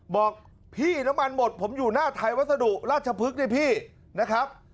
บอกพี่น้ำมันหมดผมอยู่หน้าไทยวัสดุราชพฤกษ์เนี่ยพี่นะครับ